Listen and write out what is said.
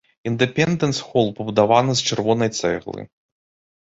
Індэпендэнс-хол пабудаваны з чырвонай цэглы.